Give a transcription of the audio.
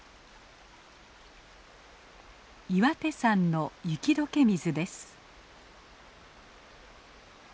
岩手山の雪解け水です。